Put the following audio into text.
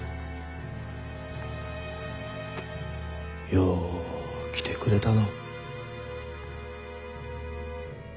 よう来てくれたの。